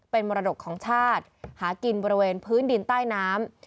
เป็นมรดกของชาติหากินบริเวณพื้นดินใต้น้ำ